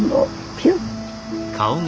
ピュッ。